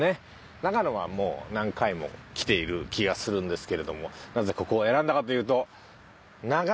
長野はもう何回も来ている気がするんですけれどもなぜここを選んだかというと。